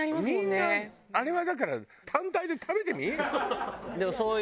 みんなあれはだから単体で食べてみ？